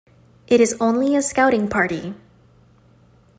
It is only a scouting party.